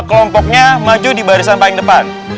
kelompoknya maju di barisan paling depan